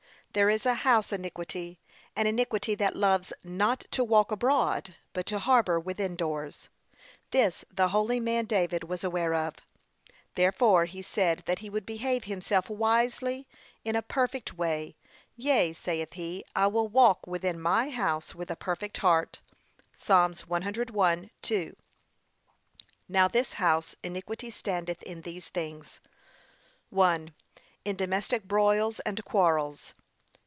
There is a house iniquity; an iniquity that loves not to walk abroad, but to harbour within doors. This the holy man David was aware of, therefore he said that he would behave himself 'wisely, in a perfect way;' yea, saith he, 'I will walk within my house with a perfect heart.' (Psa. 101:2) Now this house iniquity standeth in these things. (l.) In domestic broils and quarrels.